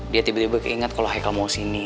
dia tiba tiba keinget kalo haikal mau kesini